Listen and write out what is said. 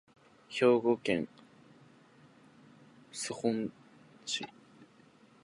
兵庫県洲本市